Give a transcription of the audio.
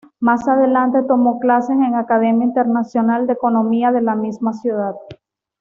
Más adelante tomó clases en la Academia Internacional de Economía de la misma ciudad.